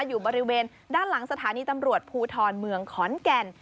อยู่บริเวณด้านหลังสถานีตำรวจภูทรเมืองขอนแก่น